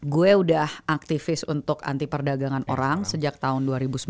gue udah aktivis untuk anti perdagangan orang sejak tahun dua ribu sembilan belas